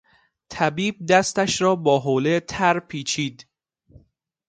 طبیب دستش را با حولهٔ تر پیچید.